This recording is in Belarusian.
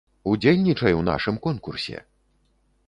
Удзельнічай у нашым конкурсе!